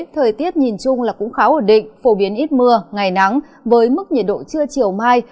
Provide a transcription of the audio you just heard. thời tiết nhìn chung là cũng khá ổn định phổ biến ít mưa ngày nắng với mức nhiệt độ trưa chiều mai